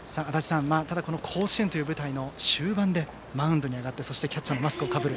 ただ、甲子園という舞台の終盤でマウンドに上がってキャッチャーもマスクをかぶる。